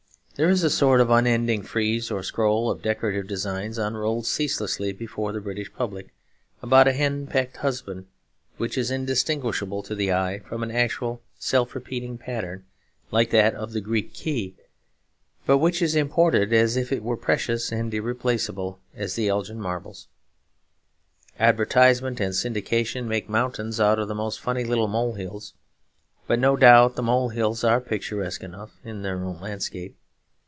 There is a sort of unending frieze or scroll of decorative designs unrolled ceaselessly before the British public, about a hen pecked husband, which is indistinguishable to the eye from an actual self repeating pattern like that of the Greek Key, but which is imported as if it were as precious and irreplaceable as the Elgin Marbles. Advertisement and syndication make mountains out of the most funny little mole hills; but no doubt the mole hills are picturesque enough in their own landscape.